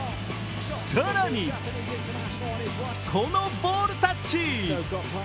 更にこのボールタッチ。